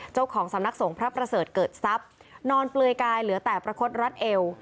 เจ้าของสำนักสงฆ์พระประเสริฐเกิดทรัพย์นอนเปลือยกายเหลือแต่ประคดรัดเอว